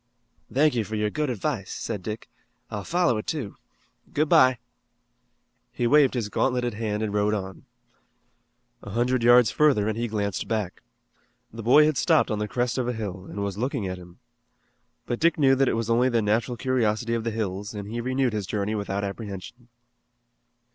"Thank you for your good advice," said Dick. "I'll follow it, too. Good bye." He waved his gauntleted hand and rode on. A hundred yards further and he glanced back. The boy had stopped on the crest of a hill, and was looking at him. But Dick knew that it was only the natural curiosity of the hills and he renewed his journey without apprehension.